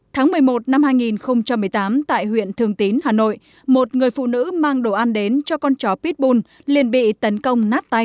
tháng một mươi một năm hai nghìn một mươi tám tại huyện thường tín hà nội một người phụ nữ mang đồ ăn đến